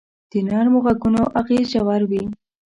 د نرمو ږغونو اغېز ژور وي.